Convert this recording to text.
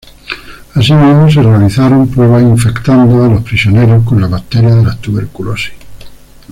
Asimismo, se realizaron pruebas infectando a los prisioneros con la bacteria de la tuberculosis.